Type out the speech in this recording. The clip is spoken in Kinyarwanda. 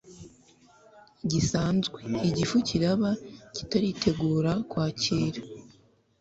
gisanzwe, igifu kiraba kitaritegura kwakira